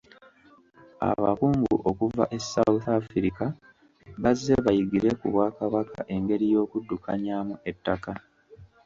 Abakungu okuva e South Africa bazze bayigire ku Bwakabaka engeri y'okuddukanyamu ettaka.